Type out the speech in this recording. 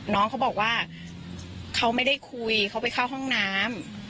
น้องเขาบอกว่าเขาไม่ได้คุยเขาไปเข้าห้องน้ำ